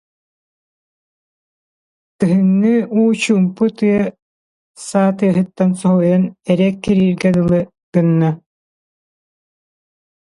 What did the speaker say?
Кыһыҥҥы уу чуумпу тыа саа тыаһыттан соһуйан өрө эккирииргэ дылы гынна